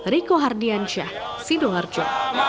riko hardiansyah sidoarjo